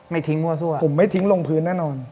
ไม่ทิ้งมั่วซั่วผมไม่ทิ้งลงพื้นแน่นอน